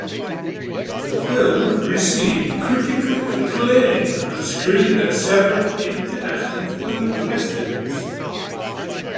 The film received critical acclaim and screened at several international film festivals.